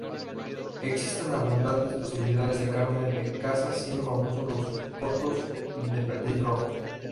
Existen abundantes posibilidades de carne de caza, siendo famosos los cotos de perdiz roja.